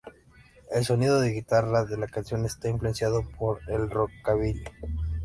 El sonido de guitarra de la canción está influenciado por el rockabilly.